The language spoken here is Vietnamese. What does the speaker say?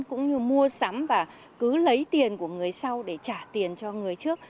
cũng như mua sắm và cứ lấy tiền của người sau để trả tiền cho người trước